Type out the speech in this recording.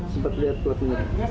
sempat lihat pelakunya